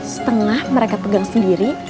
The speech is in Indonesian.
setengah mereka pegang sendiri